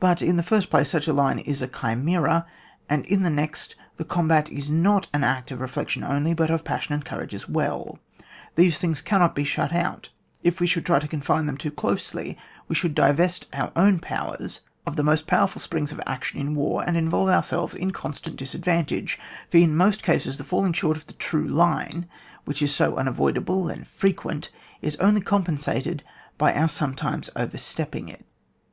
But, in the first place, such a line is a chimera ; and, in the next, the com bat is not an act of reflection only, but of passion and courage as well. These things cannot be shut out : if we should try to confine them too closely, we should divest our own powers of ike most powerful springs of action in war, and involve our selves in constant disadvantage ; for in most cases the falling short of the (true) line, which is so unavoidable and fre quent, is only compensated by our some times overstepping it.